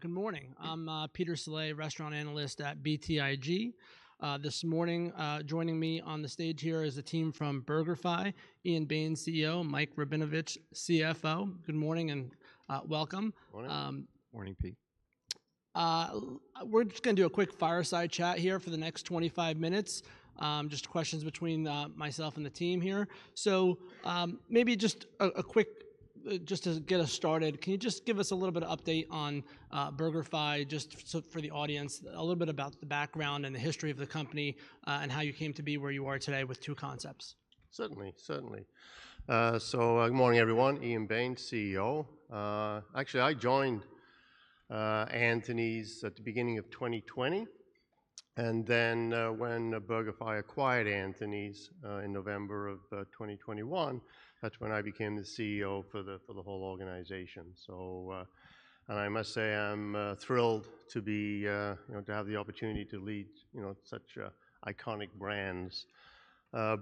Good morning. I'm Peter Saleh, restaurant analyst at BTIG. This morning, joining me on the stage here is a team from BurgerFi, Ian Baines, CEO, Michael Rabinovitch, CFO. Good morning and welcome. Morning. Morning. Morning, Pete. we're just gonna do a quick fireside chat here for the next 25 minutes, just questions between myself and the team here. Maybe just a quick, just to get us started, can you just give us a little bit of update on BurgerFi, just so for the audience, a little bit about the background and the history of the company, and how you came to be where you are today with two concepts? Certainly. Certainly. Good morning, everyone. Ian Baines, CEO. Actually, I joined Anthony's at the beginning of 2020, when BurgerFi acquired Anthony's in November of 2021, that's when I became the CEO for the whole organization. And I must say I'm thrilled to be, you know, to have the opportunity to lead, you know, such iconic brands.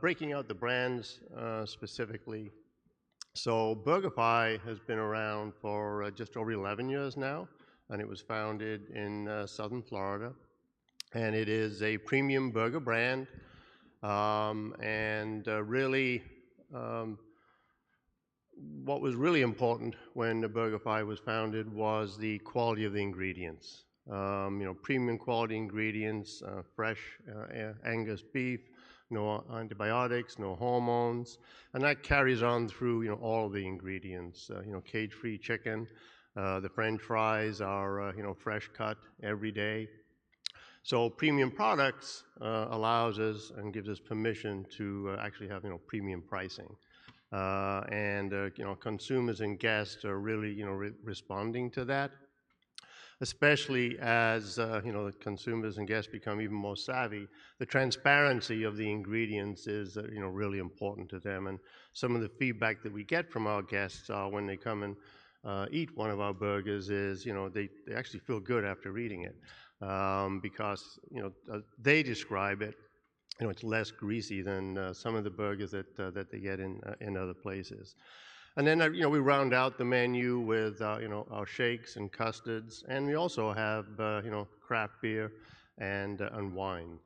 Breaking out the brands specifically, BurgerFi has been around for just over 11 years now, and it was founded in Southern Florida, and it is a premium burger brand. Really, what was really important when BurgerFi was founded was the quality of the ingredients. you know, premium quality ingredients, fresh Angus beef, no antibiotics, no hormones, and that carries on through, you know, all of the ingredients. you know, cage-free chicken, the french fries are, you know, fresh cut every day. premium products allows us and gives us permission to actually have, you know, premium pricing. you know, consumers and guests are really, you know, responding to that, especially as, you know, the consumers and guests become even more savvy. The transparency of the ingredients is, you know, really important to them, and some of the feedback that we get from our guests, when they come and eat one of our burgers is, you know, they actually feel good after reading it, because, you know, they describe it, you know, it's less greasy than some of the burgers that that they get in other places. You know, we round out the menu with, you know, our shakes and custards, and we also have, you know, craft beer and wine.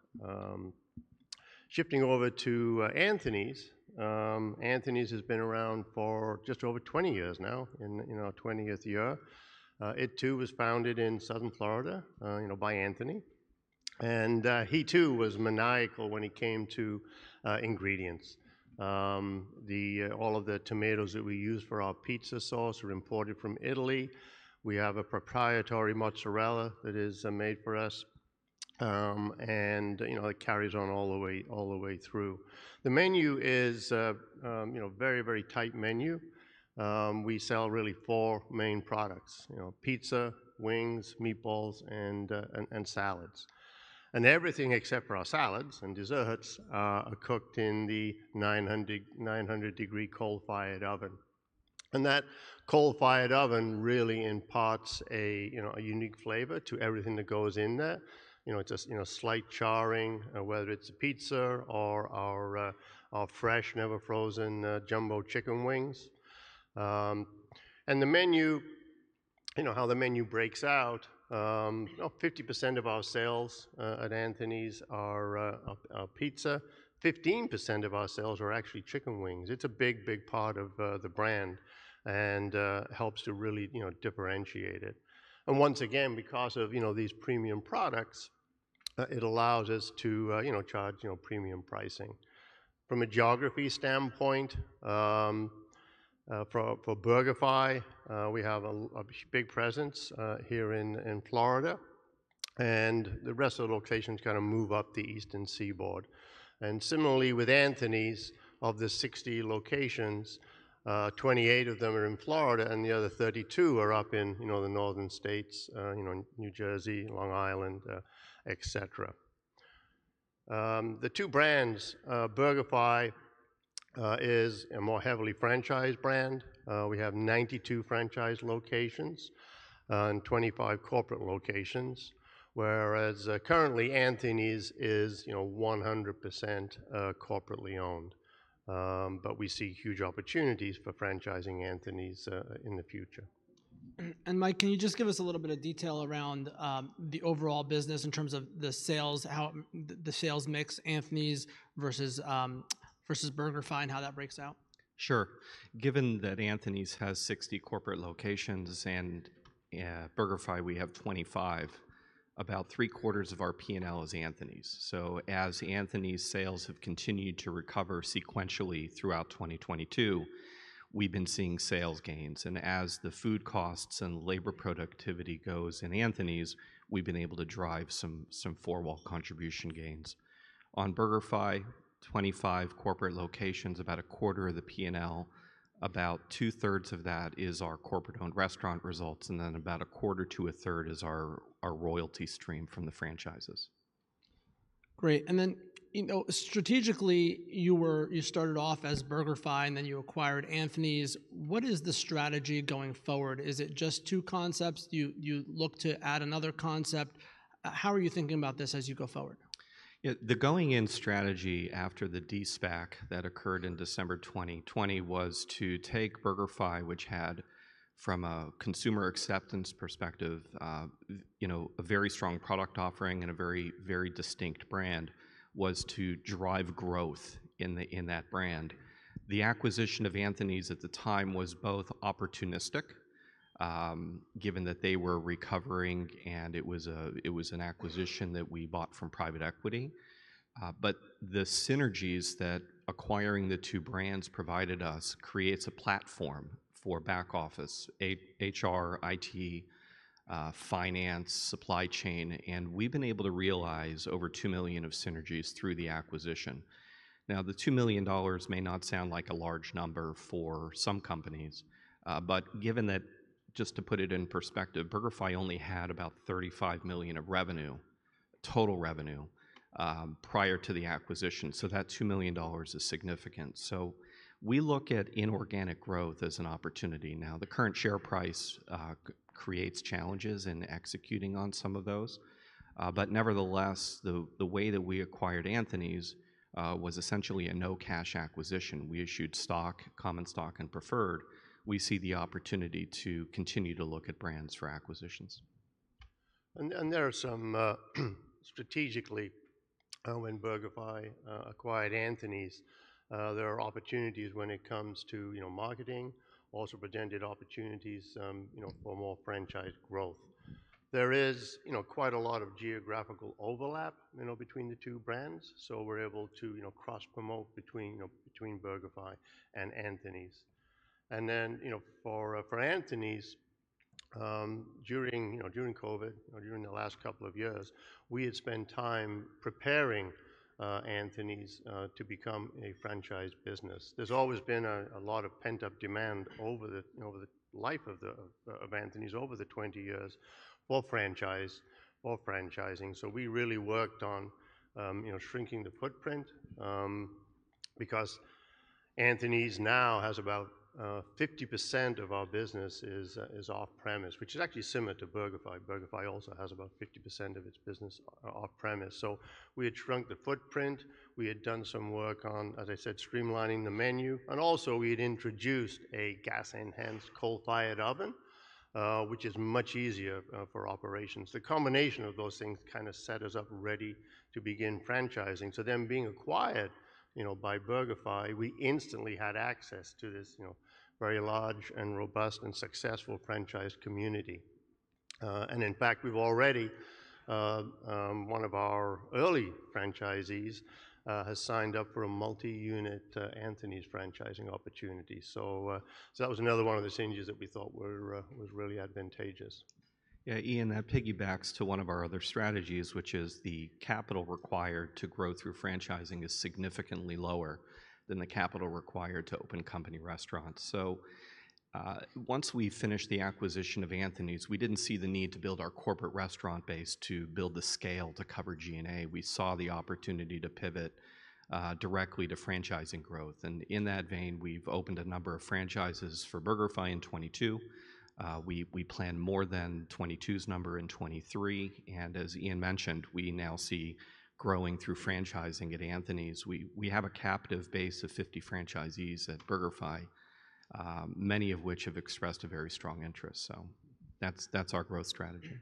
Shifting over to Anthony's. Anthony's has been around for just over 20 years now, in, you know, our 20th year. It too was founded in Southern Florida, you know, by Anthony. He too was maniacal when it came to ingredients. The all of the tomatoes that we use for our pizza sauce are imported from Italy. We have a proprietary mozzarella that is made for us, and, you know, it carries on all the way through. The menu is, you know, very tight menu. We sell really four main products, you know, pizza, wings, meatballs, and salads. Everything except for our salads and desserts are cooked in the 900-degree coal-fired oven. That coal-fired oven really imparts a, you know, a unique flavor to everything that goes in there. You know, it's a, you know, slight charring, whether it's a pizza or our fresh, never frozen, jumbo chicken wings. The menu, you know, how the menu breaks out, you know, 50% of our sales at Anthony's are pizza. 15% of our sales are actually chicken wings. It's a big part of the brand and helps to really, you know, differentiate it. Once again, because of, you know, these premium products, it allows us to, you know, charge, you know, premium pricing. From a geography standpoint, for BurgerFi, we have a big presence here in Florida, and the rest of the locations kinda move up the Eastern Seaboard. Similarly with Anthony's, of the 60 locations, 28 of them are in Florida, and the other 32 are up in, you know, the northern states, you know, New Jersey, Long Island, et cetera. The two brands, BurgerFi, is a more heavily franchised brand. We have 92 franchise locations, and 25 corporate locations, whereas, currently Anthony's is, you know, 100%, corporately owned. We see huge opportunities for franchising Anthony's in the future. Mike, can you just give us a little bit of detail around, the overall business in terms of the sales, how the sales mix, Anthony's versus BurgerFi and how that breaks out? Sure. Given that Anthony's has 60 corporate locations and BurgerFi we have 25, about three-quarters of our P&L is Anthony's. As Anthony's sales have continued to recover sequentially throughout 2022, we've been seeing sales gains. As the food costs and labor productivity goes in Anthony's, we've been able to drive some four-wall contribution gains. On BurgerFi, 25 corporate locations, about a quarter of the P&L. About 2/3 of that is our corporate-owned restaurant results, about a quarter to a 1/3 is our royalty stream from the franchises. Great. you know, strategically, you started off as BurgerFi, then you acquired Anthony's. What is the strategy going forward? Is it just two concepts? Do you look to add another concept? how are you thinking about this as you go forward? Yeah. The going-in strategy after the de-SPAC that occurred in December 2020 was to take BurgerFi, which had, from a consumer acceptance perspective, you know, a very strong product offering and a very, very distinct brand, was to drive growth in that brand. The acquisition of Anthony's at the time was both opportunistic, given that they were recovering, and it was an acquisition that we bought from private equity. The synergies that acquiring the two brands provided us creates a platform for back office, HR, IT, finance, supply chain, and we've been able to realize over $2 million of synergies through the acquisition. The $2 million may not sound like a large number for some companies, but given that, just to put it in perspective, BurgerFi only had about $35 million of revenue, total revenue, prior to the acquisition. That $2 million is significant. We look at inorganic growth as an opportunity now. The current share price creates challenges in executing on some of those. Nevertheless, the way that we acquired Anthony's, was essentially a no-cash acquisition. We issued stock, common stock, and preferred. We see the opportunity to continue to look at brands for acquisitions. There are some strategically when BurgerFi acquired Anthony's, there are opportunities when it comes to, you know, marketing, also presented opportunities, you know, for more franchise growth. There is, you know, quite a lot of geographical overlap, you know, between the two brands. We're able to, you know, cross-promote between BurgerFi and Anthony's. You know, for Anthony's, during, you know, during COVID or during the last couple of years, we had spent time preparing Anthony's to become a franchise business. There's always been a lot of pent-up demand over the life of Anthony's, over the 20 years for franchising. We really worked on, you know, shrinking the footprint, because Anthony's now has about 50% of our business is off-premise, which is actually similar to BurgerFi. BurgerFi also has about 50% of its business off-premise. We had shrunk the footprint. We had done some work on, as I said, streamlining the menu. Also, we had introduced a gas-enhanced coal-fired oven, which is much easier for operations. The combination of those things kind of set us up ready to begin franchising. Being acquired, you know, by BurgerFi, we instantly had access to this, you know, very large and robust and successful franchise community. In fact, we've already, one of our early franchisees, has signed up for a multi-unit Anthony's franchising opportunity. That was another one of the synergies that we thought were, was really advantageous. Ian, that piggybacks to one of our other strategies, which is the capital required to grow through franchising is significantly lower than the capital required to open company restaurants. Once we finished the acquisition of Anthony's, we didn't see the need to build our corporate restaurant base to build the scale to cover G&A. We saw the opportunity to pivot directly to franchising growth. In that vein, we've opened a number of franchises for BurgerFi in 2022. We plan more than 2022's number in 2023. As Ian mentioned, we now see growing through franchising at Anthony's. We have a captive base of 50 franchisees at BurgerFi, many of which have expressed a very strong interest. That's our growth strategy.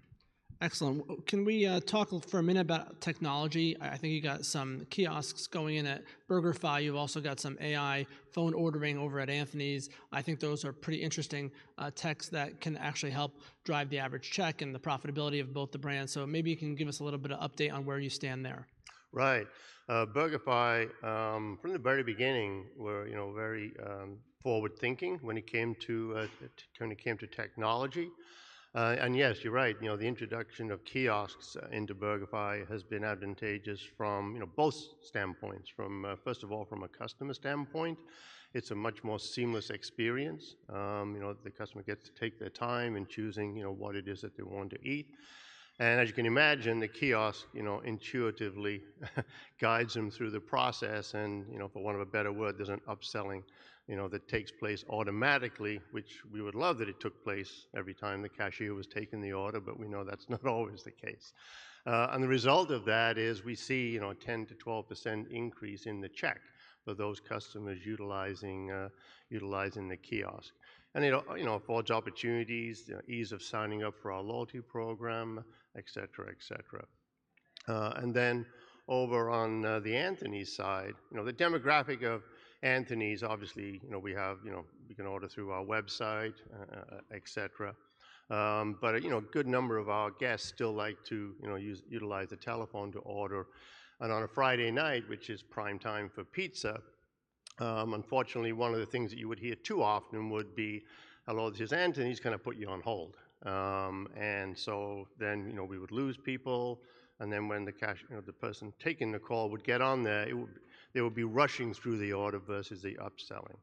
Excellent. Can we talk for a minute about technology? I think you got some kiosks going in at BurgerFi. You've also got some AI phone ordering over at Anthony's. I think those are pretty interesting techs that can actually help drive the average check and the profitability of both the brands. Maybe you can give us a little bit of update on where you stand there. Right. BurgerFi, from the very beginning, were, you know, very, forward-thinking when it came to, when it came to technology. Yes, you're right. You know, the introduction of kiosks into BurgerFi has been advantageous from, you know, both standpoints. From, first of all, from a customer standpoint, it's a much more seamless experience. You know, the customer gets to take their time in choosing, you know, what it is that they're wanting to eat. As you can imagine, the kiosk, you know, intuitively guides them through the process and, you know, for want of a better word, there's an upselling, you know, that takes place automatically, which we would love that it took place every time the cashier was taking the order, but we know that's not always the case. The result of that is we see, you know, a 10%-12% increase in the check for those customers utilizing the kiosk. It, you know, affords opportunities, the ease of signing up for our loyalty program, et cetera, et cetera. Then over on the Anthony's side, you know, the demographic of Anthony's, obviously, you know, we have, you know, we can order through our website, et cetera. You know, a good number of our guests still like to, you know, utilize the telephone to order. On a Friday night, which is prime time for pizza, unfortunately, one of the things that you would hear too often would be, "Hello, this is Anthony's. Can I put you on hold?" You know, we would lose people, and when the person taking the call would get on there, they would be rushing through the order versus the upselling.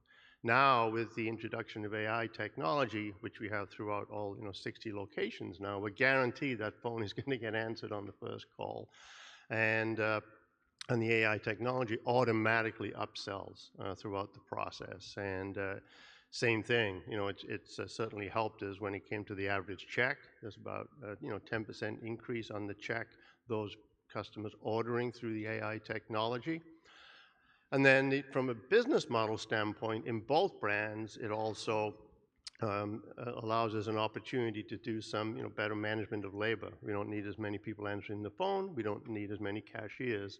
Now, with the introduction of AI technology, which we have throughout all, you know, 60 locations now, we guarantee that phone is gonna get answered on the first call. You know, the AI technology automatically upsells throughout the process. Same thing, you know, it's certainly helped us when it came to the average check. There's about, you know, a 10% increase on the check, those customers ordering through the AI technology. From a business model standpoint, in both brands, it also allows us an opportunity to do some, you know, better management of labor. We don't need as many people answering the phone. We don't need as many cashiers,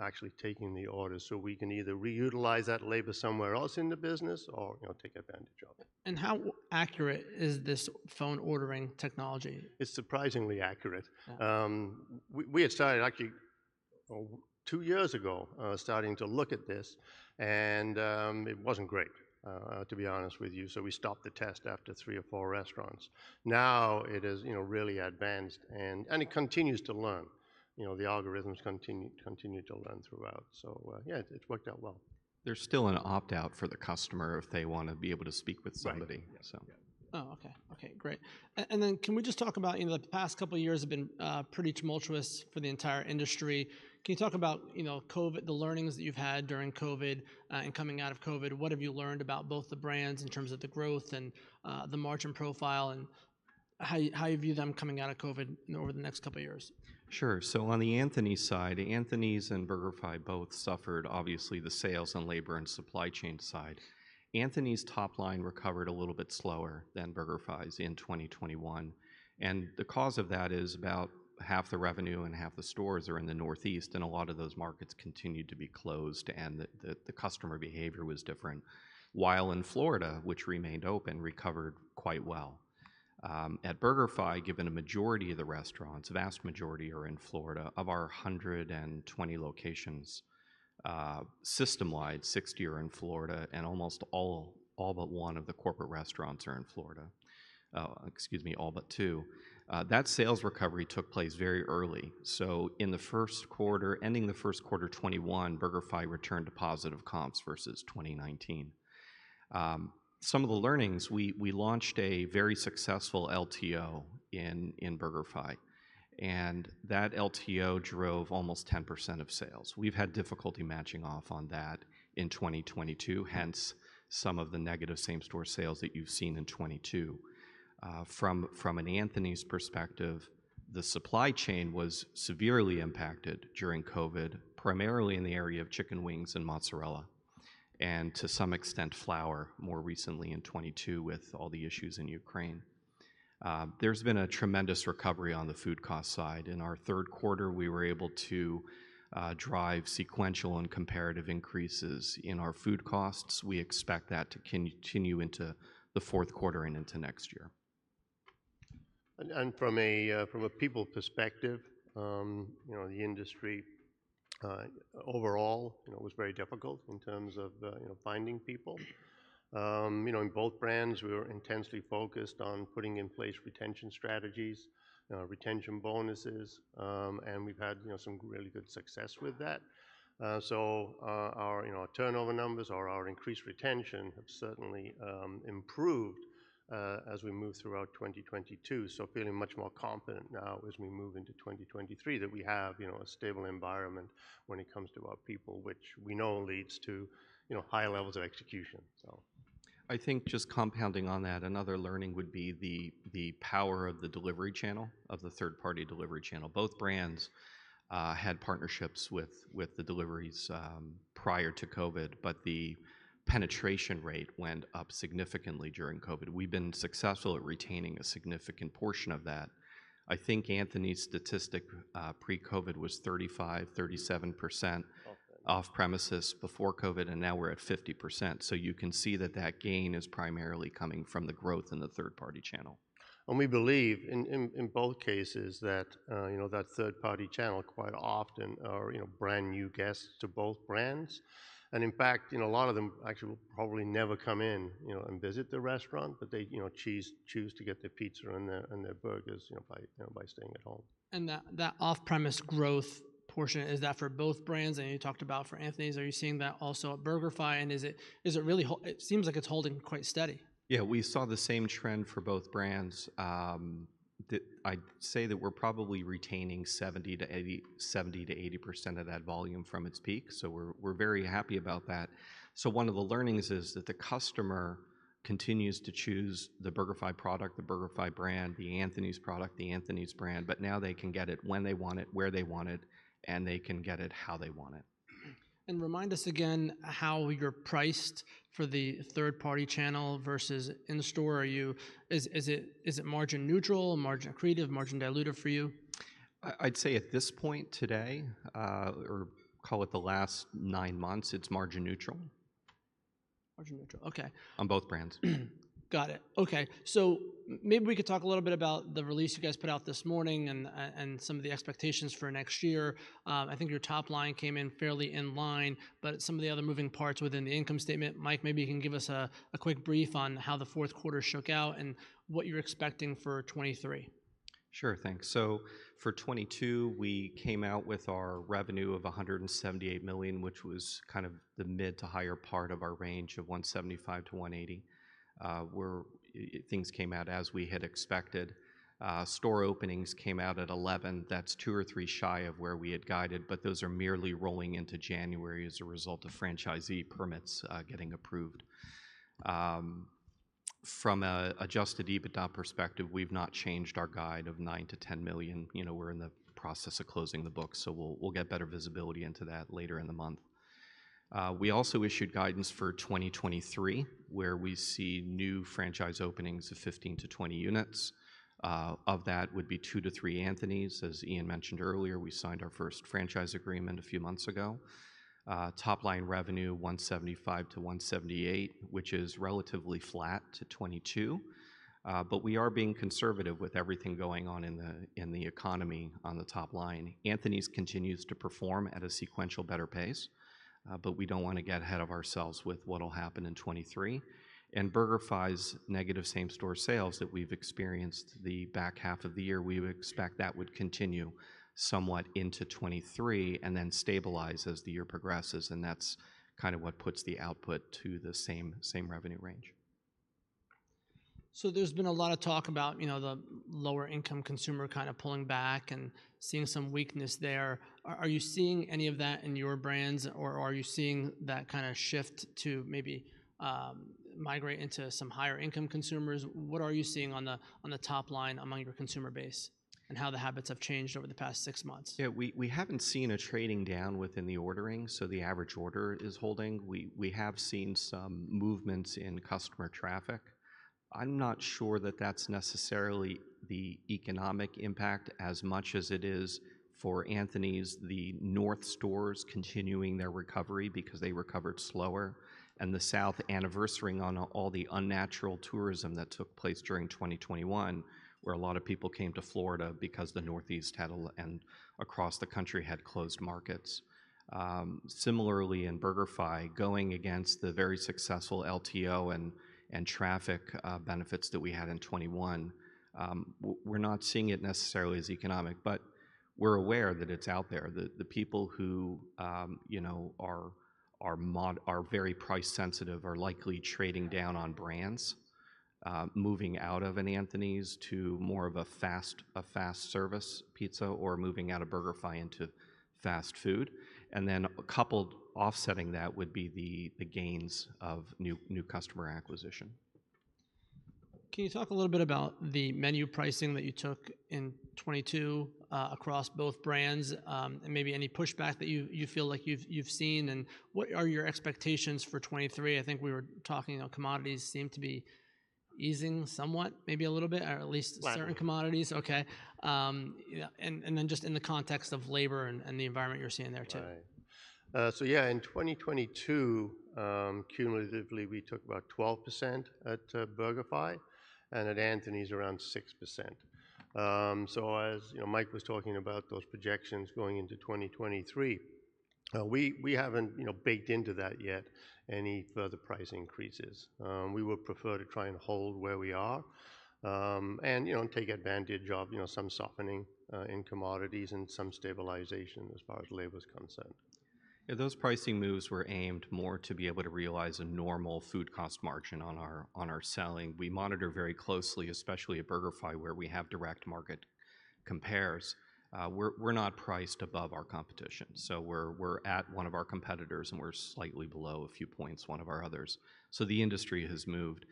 actually taking the orders. We can either re-utilize that labor somewhere else in the business or, you know, take advantage of it. How accurate is this phone ordering technology? It's surprisingly accurate. We had started actually, well, two years ago, starting to look at this, and it wasn't great, to be honest with you. We stopped the test after three or four restaurants. Now it is, you know, really advanced and it continues to learn. You know, the algorithms continue to learn throughout. Yeah, it's worked out well. There's still an opt-out for the customer if they wanna be able to speak with somebody. Right. Yeah. Oh, okay. Okay, great. Can we just talk about, you know, the past couple of years have been pretty tumultuous for the entire industry? Can you talk about, you know, COVID, the learnings that you've had during COVID and coming out of COVID? What have you learned about both the brands in terms of the growth and the margin profile, and how you view them coming out of COVID over the next couple of years? Sure. On the Anthony's side, Anthony's and BurgerFi both suffered obviously the sales and labor and supply chain side. Anthony's top line recovered a little bit slower than BurgerFi's in 2021. The cause of that is about half the revenue and half the stores are in the Northeast, and a lot of those markets continued to be closed, and the customer behavior was different. While in Florida, which remained open, recovered quite well. At BurgerFi, given a majority of the restaurants, vast majority are in Florida. Of our 120 locations, system-wide, 60 are in Florida, and almost all but 1 of the corporate restaurants are in Florida. Excuse me, all but 2. That sales recovery took place very early. In the first quarter, ending the first quarter 2021, BurgerFi returned to positive comps versus 2019. Some of the learnings, we launched a very successful LTO in BurgerFi. That LTO drove almost 10% of sales. We've had difficulty matching off on that in 2022, hence some of the negative same-store sales that you've seen in 2022. From an Anthony's perspective, the supply chain was severely impacted during COVID, primarily in the area of chicken wings and mozzarella, and to some extent, flour, more recently in 2022 with all the issues in Ukraine. There's been a tremendous recovery on the food cost side. In our third quarter, we were able to drive sequential and comparative increases in our food costs. We expect that to continue into the fourth quarter and into next year. From a people perspective, you know, the industry overall, you know, was very difficult in terms of, you know, finding people. you know, in both brands, we were intensely focused on putting in place retention strategies, retention bonuses, and we've had, you know, some really good success with that. Our, you know, our turnover numbers or our increased retention have certainly improved as we move throughout 2022. Feeling much more confident now as we move into 2023 that we have, you know, a stable environment when it comes to our people, which we know leads to, you know, high levels of execution, so. I think just compounding on that, another learning would be the power of the delivery channel, of the third-party delivery channel. Both brands had partnerships with the deliveries prior to COVID, but the penetration rate went up significantly during COVID. We've been successful at retaining a significant portion of that. I think Anthony's statistic pre-COVID was 35%-37%. Off premises... off premises before COVID, and now we're at 50%. You can see that that gain is primarily coming from the growth in the third-party channel. We believe in both cases that, you know, that third-party channel quite often are, you know, brand new guests to both brands. In fact, you know, a lot of them actually will probably never come in, you know, and visit the restaurant, but they, you know, choose to get their pizza and their burgers, you know, by, you know, by staying at home. That off-premise growth portion, is that for both brands? I know you talked about for Anthony's. Are you seeing that also at BurgerFi, and is it really? It seems like it's holding quite steady. Yeah. We saw the same trend for both brands, that I'd say that we're probably retaining 70%-80% of that volume from its peak, we're very happy about that. One of the learnings is that the customer continues to choose the BurgerFi product, the BurgerFi brand, the Anthony's product, the Anthony's brand, now they can get it when they want it, where they want it, and they can get it how they want it. remind us again how you're priced for the third-party channel versus in store. Is it margin neutral, margin accretive, margin dilutive for you? I'd say at this point today, or call it the last nine months, it's margin neutral. Margin neutral, okay. On both brands. Got it. Okay. Maybe we could talk a little bit about the release you guys put out this morning and some of the expectations for next year. I think your top line came in fairly in line, but some of the other moving parts within the income statement, Mike, maybe you can give us a quick brief on how the fourth quarter shook out and what you're expecting for 2023. Sure thing. For 2022, we came out with our revenue of $178 million, which was kind of the mid to higher part of our range of $175 million-$180 million. Things came out as we had expected. Store openings came out at 11. That's two or three shy of where we had guided, but those are merely rolling into January as a result of franchisee permits getting approved. From a adjusted EBITDA perspective, we've not changed our guide of $9 million-$10 million. You know, we're in the process of closing the books, so we'll get better visibility into that later in the month. We also issued guidance for 2023, where we see new franchise openings of 15-20 units. Of that would be two to three Anthony's. As Ian mentioned earlier, we signed our first franchise agreement a few months ago. Top line revenue $175 million-$178 million, which is relatively flat to 2022. We are being conservative with everything going on in the economy on the top line. Anthony's continues to perform at a sequential better pace, we don't wanna get ahead of ourselves with what'll happen in 2023. BurgerFi's negative same-store sales that we've experienced the back half of the year, we would expect that would continue somewhat into 2023 and then stabilize as the year progresses, and that's kind of what puts the output to the same revenue range. There's been a lot of talk about, you know, the lower income consumer kind of pulling back and seeing some weakness there. Are you seeing any of that in your brands, or are you seeing that kind of shift to maybe migrate into some higher income consumers? What are you seeing on the, on the top line among your consumer base and how the habits have changed over the past six months? Yeah, we haven't seen a trading down within the ordering, the average order is holding. We have seen some movements in customer traffic. I'm not sure that that's necessarily the economic impact as much as it is for Anthony's, the north stores continuing their recovery because they recovered slower, and the south anniversarying on all the unnatural tourism that took place during 2021, where a lot of people came to Florida because the northeast had and across the country had closed markets. Similarly in BurgerFi, going against the very successful LTO and traffic benefits that we had in 2021, we're not seeing it necessarily as economic. We're aware that it's out there. The people who, you know, are very price sensitive are likely trading down on brands, moving out of an Anthony's to more of a fast service pizza or moving out of BurgerFi into fast food. Coupled offsetting that would be the gains of new customer acquisition. Can you talk a little bit about the menu pricing that you took in 2022 across both brands, and maybe any pushback that you feel like you've seen? What are your expectations for 2023? I think we were talking, you know, commodities seem to be easing somewhat, maybe a little bit, or at least. Flat... certain commodities. Okay. yeah, and then just in the context of labor and the environment you're seeing there too. Right. Yeah, in 2022, cumulatively, we took about 12% at BurgerFi, and at Anthony's around 6%. As, you know, Mike was talking about those projections going into 2023, we haven't, you know, baked into that yet any further price increases. We would prefer to try and hold where we are, and, you know, take advantage of, you know, some softening in commodities and some stabilization as far as labor is concerned. Yeah, those pricing moves were aimed more to be able to realize a normal food cost margin on our, on our selling. We monitor very closely, especially at BurgerFi, where we have direct market compares. We're not priced above our competition, so we're at one of our competitors, and we're slightly below a few points, one of our others. The industry has moved.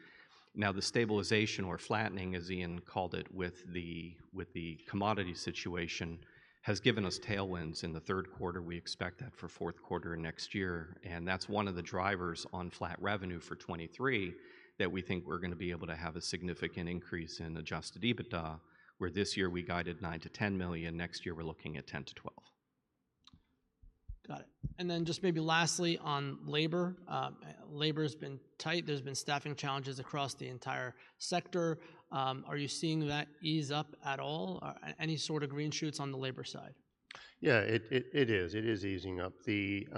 The stabilization or flattening, as Ian called it, with the commodity situation, has given us tailwinds in the third quarter. We expect that for fourth quarter and next year, and that's one of the drivers on flat revenue for 2023 that we think we're gonna be able to have a significant increase in adjusted EBITDA, where this year we guided $9 million-$10 million. Next year we're looking at $10 million-$12 million. Got it. Just maybe lastly on labor. Labor has been tight. There's been staffing challenges across the entire sector. Are you seeing that ease up at all? Any sort of green shoots on the labor side? Yeah, it is. It is easing up. You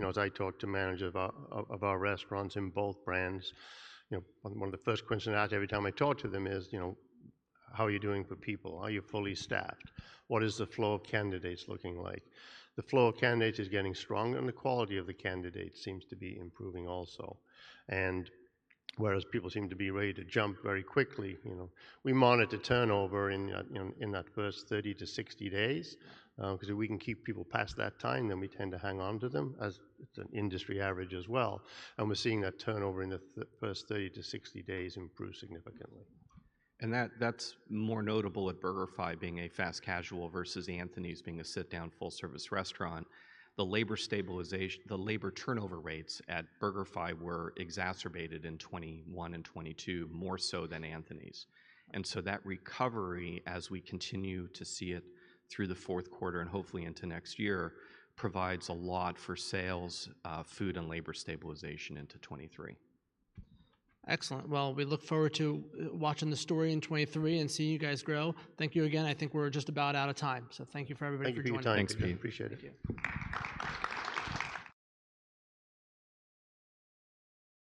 know, as I talk to managers of our restaurants in both brands, you know, one of the first question I ask every time I talk to them is, you know, "How are you doing for people? Are you fully staffed? What is the flow of candidates looking like?" The flow of candidates is getting stronger, and the quality of the candidates seems to be improving also. Whereas people seem to be ready to jump very quickly, you know, we monitor turnover in that first 30 to 60 days, 'cause if we can keep people past that time, then we tend to hang on to them, as the industry average as well. We're seeing that turnover in the first 30 to 60 days improve significantly. That's more notable at BurgerFi being a fast casual versus Anthony's being a sit-down full service restaurant. The labor turnover rates at BurgerFi were exacerbated in 2021 and 2022, more so than Anthony's. That recovery, as we continue to see it through the fourth quarter and hopefully into next year, provides a lot for sales, food, and labor stabilization into 2023. Excellent. Well, we look forward to watching the story in 2023 and seeing you guys grow. Thank you again. I think we're just about out of time. Thank you for everybody for being here. Thank you for your time today. Thank you. Appreciate it. Thank you.